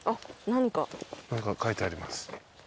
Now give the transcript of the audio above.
何か書いてあります。